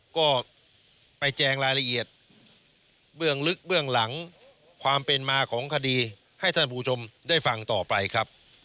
ก็ไปแจงรายละเอียดเบื้องลึกเบื้องหลังความเป็นมาของคดีให้ท่านผู้ชมได้ฟังต่อไปครับ